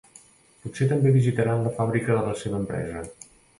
Potser també visitaran la fàbrica de la seva empresa.